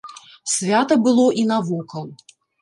Свята было і навокал.